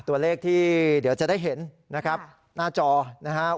ตัวเลขที่เดี๋ยวจะได้เห็นนะครับหน้าจอนะครับ